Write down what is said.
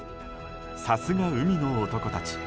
さすが、海の男たち。